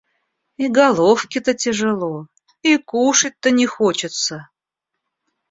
И головке-то тяжело, и кушать-то не хочется.